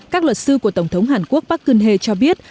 các luật sư của tổng thống hàn quốc park geun hye cho biết